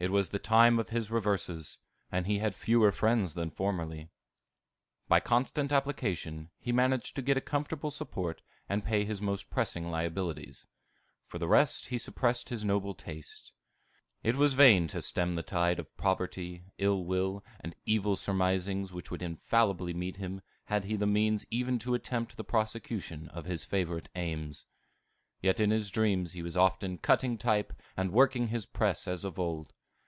It was the time of his reverses, and he had fewer friends than formerly. By constant application he managed to get a comfortable support and pay his most pressing liabilities; for the rest he suppressed his noble tastes. It was vain to stem the tide of poverty, ill will, and evil surmisings which would infallibly meet him, had he the means even to attempt the prosecution of his favorite aims. Yet in his dreams he was often cutting type and working his press as of old.